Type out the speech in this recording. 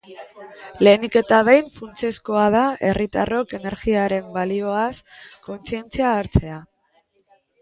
Lehenik eta behin funtsezkoa da herritarrok energiaren balioaz kontzientzia hartzea.